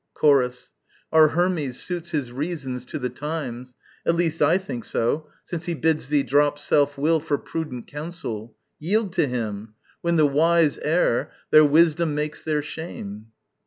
Chorus. Our Hermes suits his reasons to the times; At least I think so, since he bids thee drop Self will for prudent counsel. Yield to him! When the wise err, their wisdom makes their shame.